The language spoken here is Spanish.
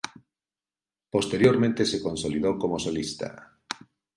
Posteriormente se consolidó como solista.